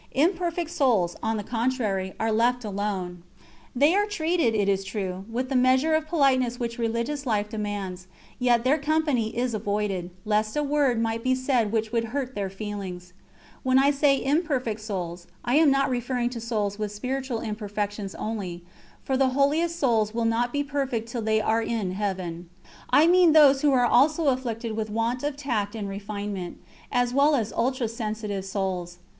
Imperfect souls, on the contrary, are left alone. They are treated, it is true, with the measure of politeness which religious life demands; yet their company is avoided, lest a word might be said which would hurt their feelings. When I say imperfect souls, I am not referring to souls with spiritual imperfections only, for the holiest souls will not be perfect till they are in heaven. I mean those who are also afflicted with want of tact and refinement, as well as ultra sensitive souls.